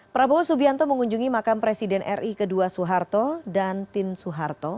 prabowo subianto mengunjungi makam presiden ri ke dua suharto dan tin suharto